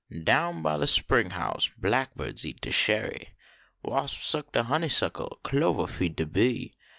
Down by de spring house blackbirds eat de cherry. Wasp suck de honeysuckle, clovah feed fie bee.